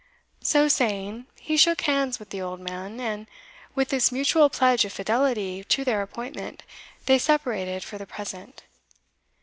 So saying he shook hands with the old man, and with this mutual pledge of fidelity to their appointment, they separated for the present.